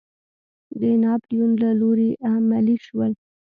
د ناپیلیون له لوري عملي شول.